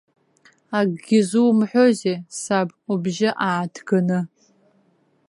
Акгьы зумҳәозеи, саб, убжьы ааҭганы.